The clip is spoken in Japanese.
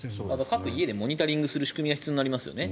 各家でモニタリングする仕組みが必要になりますよね。